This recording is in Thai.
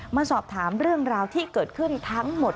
มาสอบถามเรื่องราวที่เกิดขึ้นทั้งหมด